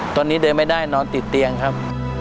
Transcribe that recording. ตอนนี้เดินไม่ได้นอนติดเตียงครับ